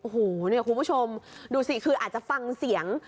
โอ้โหเนี่ยคุณผู้ชมดูสิคืออาจจะฟังเสียง